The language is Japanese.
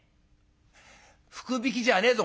「福引きじゃねえぞ